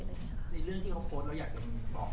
ในเรื่องที่เขาโพสต์เราอยากจะบอก